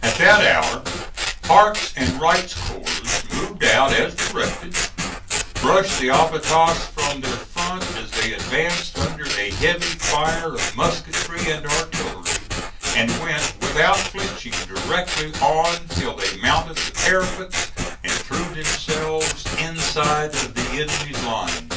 At that hour Parke's and Wright's corps moved out as directed, brushed the abatis from their front as they advanced under a heavy fire of musketry and artillery, and went without flinching directly on till they mounted the parapets and threw themselves inside of the enemy's line.